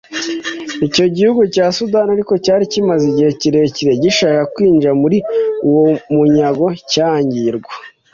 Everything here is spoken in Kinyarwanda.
Icyo gihugu cya Sudan ariko cyari kimaze igihe kirekire gishaka kwinjira muri uwo mu ryango cyangirwa